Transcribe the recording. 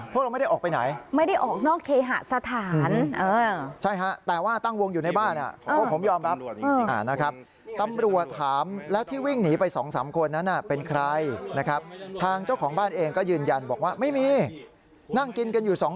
พวกเราไม่ได้ออกไปไหน